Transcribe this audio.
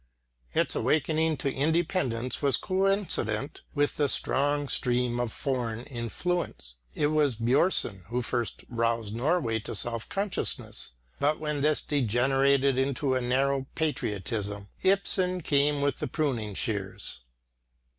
Its awakening to independence was coincident with a strong stream of foreign influence. It was Björnson who first roused Norway to self consciousness; but when this degenerated into a narrow patriotism, Ibsen came with the pruning shears.